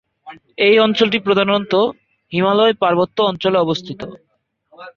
এই অঞ্চলটি প্রধানত হিমালয় পার্বত্য অঞ্চলে অবস্থিত।